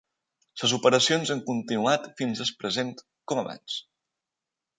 Les operacions han continuat fins al present com abans.